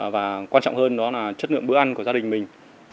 và quan trọng hơn đó là chất lượng bữa ăn của gia đình mình